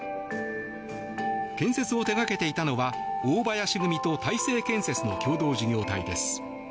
建設を手掛けていたのは大林組と大成建設の共同事業体です。